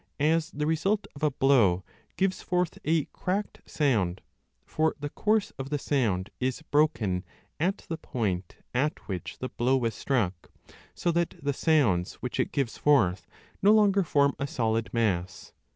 F as the result of a blow gives forth a cracked sound, for the course of the sound is broken at the point at which the blow was struck, so that the sounds which it gives forth no longer form a solid mass.